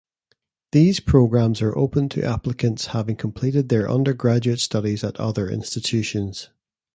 These programmes are opened to applicants having completed their undergraduate studies at other institutions.